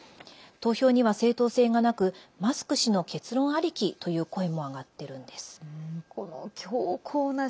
投票には正統性がなくマスク氏の結論ありきという声も上がってるんです。